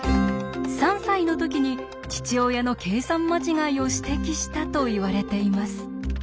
３歳の時に父親の計算間違いを指摘したといわれています。